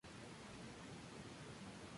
La canción no apareció en el largometraje.